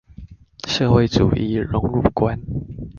社會主義榮辱觀